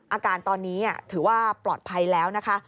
อาการตอนนี้ถือว่าปลอดภัยแล้วนะคะ